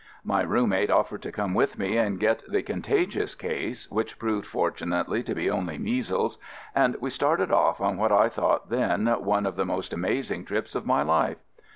My roommate offered to come with me to get the contagious case (which proved fortunately to be only measles), and we started off on what I thought then one of the most amazing trips of my life.